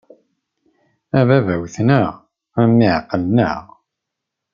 A baba! Wwten-aɣ, a mmi! Ɛeqlen-aɣ.